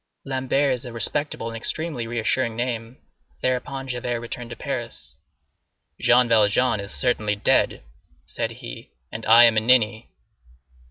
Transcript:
Lambert is a respectable and extremely reassuring name. Thereupon Javert returned to Paris. "Jean Valjean is certainly dead," said he, "and I am a ninny."